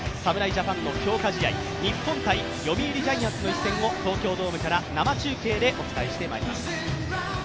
侍ジャパンの強化試合、日本×読売ジャイアンツの一戦を東京ドームから生中継でお伝えします。